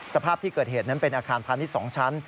สภาพที่เกิดเหตุนั้นเป็นอาคารพาณิชย์๒ชั้น